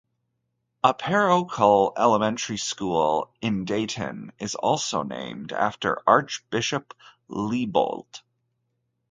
A parochial elementary school in Dayton is also named after Archbishop Liebold.